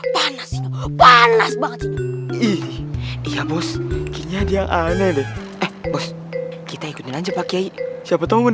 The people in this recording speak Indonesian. panas banget iya bos kayaknya dia aneh deh eh bos kita ikutin aja pak kyai siapa tau mau